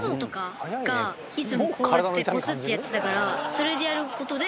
それでやる事で。